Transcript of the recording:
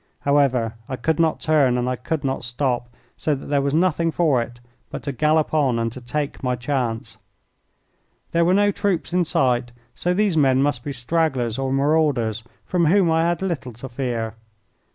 However, I could not turn and I could not stop, so there was nothing for it but to gallop on and to take my chance. There were no troops in sight, so these men must be stragglers or marauders, from whom I had little to fear.